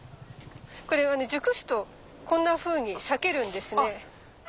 これはね熟すとこんなふうに裂けるんですね。